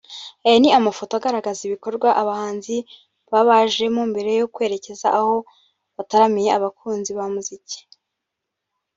Aya ni amafoto agaragaza ibikorwa abahanzi babanjemo mbere yo kwerekeza aho bataramiye abakunzi ba muzika